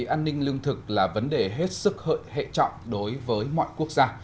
an ninh lương thực là vấn đề hết sức hợi hệ trọng đối với mọi quốc gia